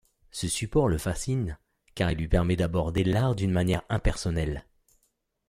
Ce support le fascine car il lui permet d’aborder l’art d’une manière impersonnelle.